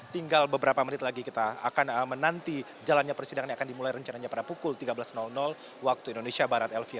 tinggal beberapa menit lagi kita akan menanti jalannya persidangan yang akan dimulai rencananya pada pukul tiga belas wib